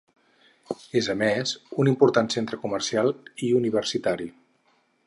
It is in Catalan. És a més, un important centre comercial i universitari.